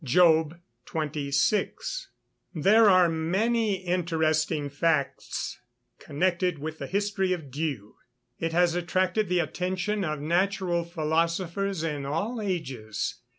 JOB XXVI.] There are many interesting facts connected with the history of dew. It has attracted the attention of natural philosophers in all ages.